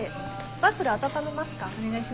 ワッフル温めますか？